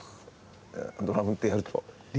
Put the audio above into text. ドラムってやると。